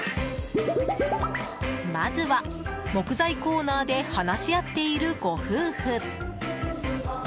まずは、木材コーナーで話し合っているご夫婦。